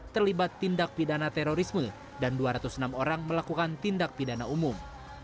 terlibat tindak pidana terorisme dan dua ratus enam orang melakukan tindak pidana umum